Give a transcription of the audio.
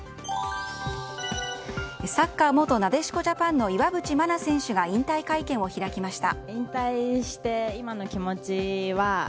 サッカー元なでしこジャパンの岩渕真奈選手が引退会見を開きました。